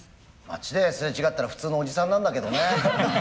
町ですれ違ったら普通のおじさんなんだけどね。